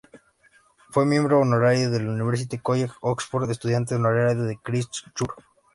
Fue miembro honorario del University College de Oxford y estudiante honorario del Christ Church.